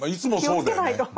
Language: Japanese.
気をつけないと。